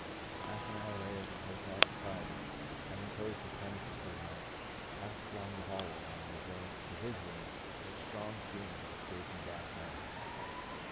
Half an hour later, the hotel proprietor, having closed his premises for the night, passed along the hallway on his way to his room where strong fumes of escaping gas met him.